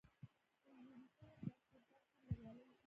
د ویلچیر باسکیټبال ټیم بریالی دی.